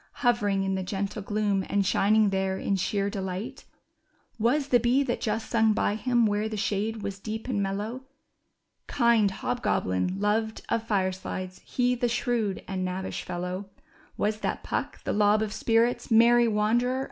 Hovering in the gentle gloom, and shining there in sheer delight ? Was the bee that just sung by him, where the shade was deep and mellow, Kind Hobgoblin, loved of firesides, he the shrewd and knavish fellow — Was that Puck, the lob of spirits, merry wanderer of the night